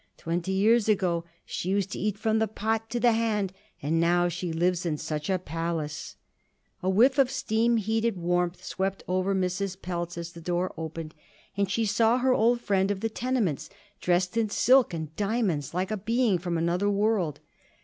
Twenty years ago she used to eat from the pot to the hand, and now she lives in such a palace." A whiff of steam heated warmth swept over Mrs. Pelz as the door opened, and she saw her old friend of the tenements dressed in silk and diamonds like a being from another world.